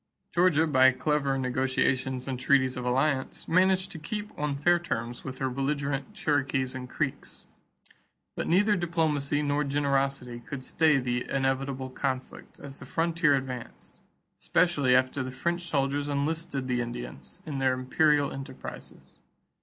Georgia, by clever negotiations and treaties of alliance, managed to keep on fair terms with her belligerent Cherokees and Creeks. But neither diplomacy nor generosity could stay the inevitable conflict as the frontier advanced, especially after the French soldiers enlisted the Indians in their imperial enterprises.